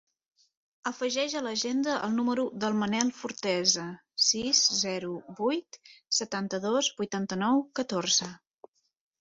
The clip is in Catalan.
Afegeix a l'agenda el número del Manel Forteza: sis, zero, vuit, setanta-dos, vuitanta-nou, catorze.